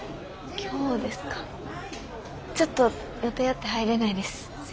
ちょっと予定あって入れないです。